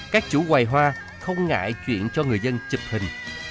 các chủ hoài hoa không ngại chuyện cho người dân chụp hình